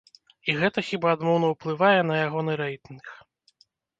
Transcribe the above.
І гэта хіба адмоўна ўплывае на ягоны рэйтынг.